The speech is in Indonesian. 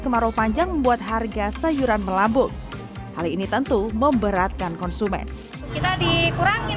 kemarau panjang membuat harga sayuran melambung hal ini tentu memberatkan konsumen kita dikurangin